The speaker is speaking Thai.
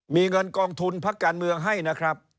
มีเงินกองทุนพักการเมืองให้นะครับ